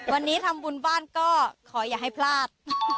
วันนี้ทำบุญบ้านก็ขออย่าให้พลาด